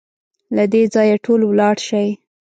له دې ځايه ټول ولاړ شئ!